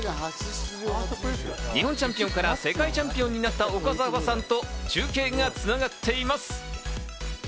日本チャンピオンから世界チャンピオンになった岡澤さんと中継が繋がっています。